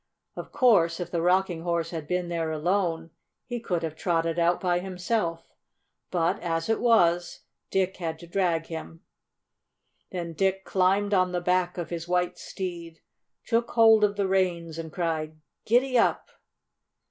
Of course if the Rocking Horse had been there alone he could have trotted out by himself. But, as it was, Dick had to drag him. Then Dick climbed on the back of his white steed, took hold of the reins, and cried: "Gid dap!"